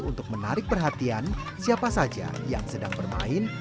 untuk menarik perhatian siapa saja yang sedang bermain